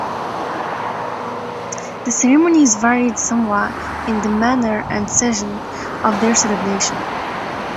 The ceremonies varied somewhat in the manner and season of their celebration.